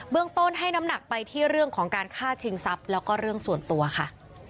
เรื่องต้นให้น้ำหนักไปที่เรื่องของการฆ่าชิงทรัพย์แล้วก็เรื่องส่วนตัวค่ะ